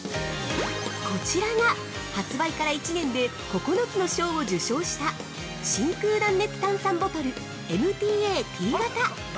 ◆こちらが発売から１年で９つの賞を受賞した真空断熱炭酸ボトルＭＴＡ−Ｔ型。